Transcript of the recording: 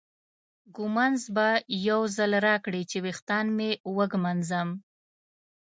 ږومنځ به یو ځل راکړې چې ویښتان مې وږمنځم.